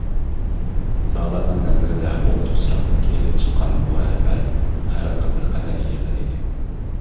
پۇقرالارنىڭ نەزىرىدە ئوقۇتقۇچىلىقتىن كېلىپ چىققان بۇ رەھبەر خەلققە بىر قەدەر يېقىن ئىدى.